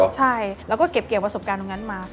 ใช่แล้วก็เก็บเกี่ยวประสบการณ์ตรงนั้นมา